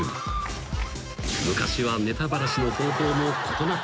［昔はネタバラシの方法も異なっていた］